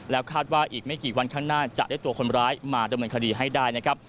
คาดว่าอีกไม่กี่วันข้างหน้าจะได้ตัวคนร้ายมาดำเนินคดีให้ได้นะครับ